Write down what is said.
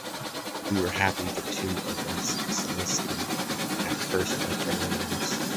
We were happy, the two of us Célestine, at first, like everyone else.